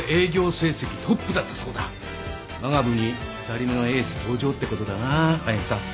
わが部に２人目のエース登場ってことだな速見さん。